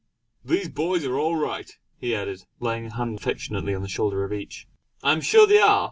"These boys are all right!" he added, laying a hand affectionately on the shoulder of each. "I am sure they are!